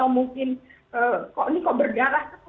karena mungkin ternyata dia punya kelainan darah yang dia tidak tahu